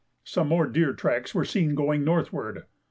Some more deer tracks were seen going northward.